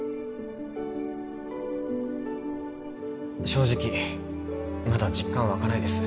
正直まだ実感湧かないです